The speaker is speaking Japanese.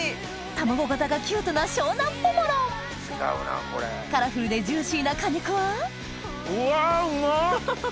卵形がキュートな湘南ポモロンカラフルでジューシーな果肉はうわうまっ！